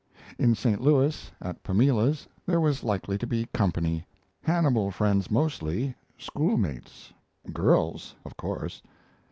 In St. Louis, at Pamela's there was likely to be company: Hannibal friends mostly, schoolmates girls, of course.